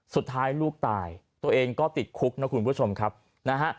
สุดท้ายลูกตายตัวเองก็ติดคุกนะคุณผู้ชมครับนะฮะ